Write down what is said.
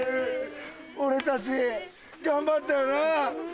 俺たち頑張ったよな？